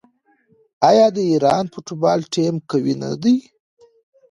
آیا د ایران فوټبال ټیم قوي نه دی؟